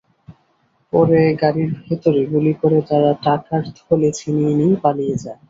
পরে গাড়ির ভেতরে গুলি করে তারা টাকার থলে ছিনিয়ে নিয়ে পালিয়ে যায়।